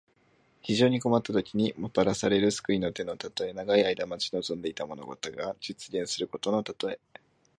非常に困ったときに、もたらされる救いの手のたとえ。長い間待ち望んでいた物事が実現することのたとえ。